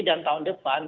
dan tahun depan